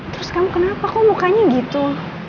terus kamu kenapa kok mukanya gitu